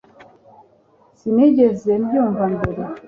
Sinigeze mbyumva mbere